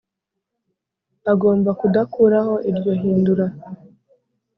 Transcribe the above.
Agomba kudakuraho iryo hindura